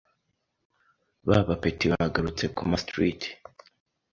Ba bapeti bagarutse ku ma striti